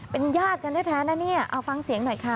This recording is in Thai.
เป็นญาติกันแท้นะเนี่ยเอาฟังเสียงหน่อยค่ะ